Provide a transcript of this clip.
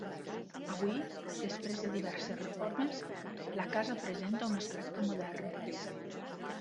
Avui, després de diverses reformes, la casa presenta un aspecte modern.